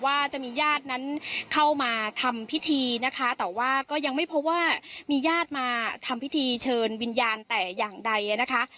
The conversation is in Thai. ว่าจะมีญาตินั้นเข้ามาทำพิธีนะคะแต่ว่าก็ยังไม่พบว่ามีญาติมาทำพิธีเชิญวิญญาณแต่อย่างใดนะคะ